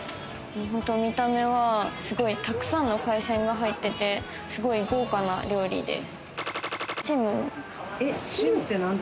見た目はすごいたくさんの海鮮が入ってて、すごい豪華な料理です。